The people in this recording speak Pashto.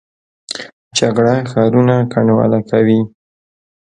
جګړه ښارونه کنډواله کوي